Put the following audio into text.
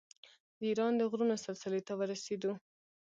د ایران د غرونو سلسلې ته ورسېدو.